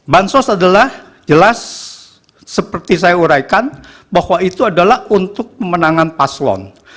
bansos adalah jelas seperti saya uraikan bahwa itu adalah untuk pemenangan paslon